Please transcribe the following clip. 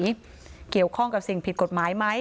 เกี่ยวข้องกับสิ่งผิดกฎหมายไหม